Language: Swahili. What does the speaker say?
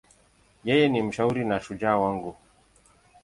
Yeye ni mshauri na shujaa wangu.